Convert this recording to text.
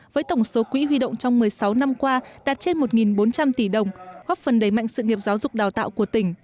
với tổng số quỹ huy động trong một mươi sáu năm qua đạt trên một bốn trăm linh tỷ đồng góp phần đẩy mạnh sự nghiệp giáo dục đào tạo của tỉnh